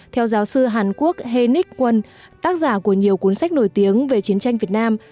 theo giáo sư hàn quốc hernich quân tác giả của nhiều cuốn sách nổi tiếng về chiến tranh việt nam